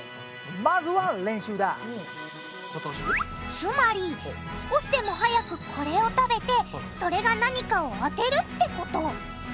つまり少しでもはやくこれを食べてそれが何かを当てるってこと！